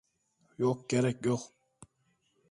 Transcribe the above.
Yok, gerek yok.